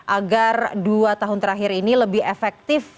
agar dua tahun terakhir ini lebih efektif